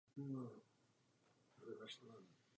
Pro Nizozemsko to bylo třetí vítězství v této soutěži.